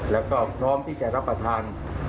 แล้วก็พร้อมที่จะรับประทาน